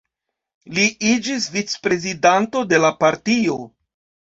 Li iĝis vicprezidanto de la partio.